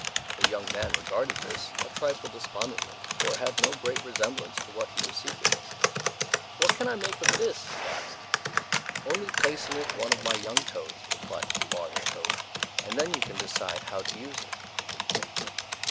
The young man regarded this a trifle despondently, for it had no great resemblance to what he was seeking. "What can I make of this?" he asked. "Only place in it one of my young toads," replied the large toad, "and then you can decide how to use it."